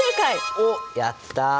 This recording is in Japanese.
おっやった！